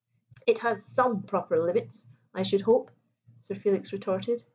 "It has some proper limits, I should hope," Sir Felix retorted.